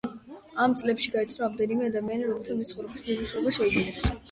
ამ წლებში გაიცნო რამდენიმე ადამიანი, რომელთაც მის ცხოვრებაში დიდი მნიშვნელობა შეიძინეს.